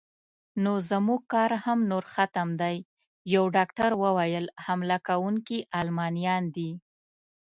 نو زموږ کار هم نور ختم دی، یو ډاکټر وویل: حمله کوونکي المانیان دي.